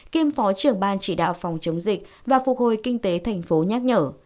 kiêm phó trưởng ban trị đạo phòng chống dịch và phục hồi kinh tế tp hcm nhắc nhở